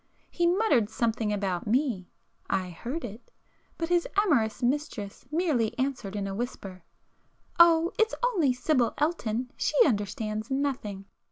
He muttered something about me,—I heard it;—but his amorous mistress merely answered in a whisper—"Oh, it's only Sibyl Elton,—she understands nothing."